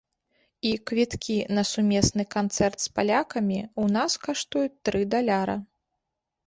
І квіткі на сумесны канцэрт з палякамі ў нас каштуюць тры даляра.